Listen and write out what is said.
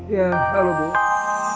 ya kalau boleh